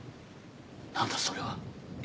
何だそれは。